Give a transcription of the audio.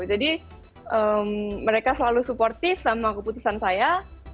jadi mereka selalu suportif sama keputusan saya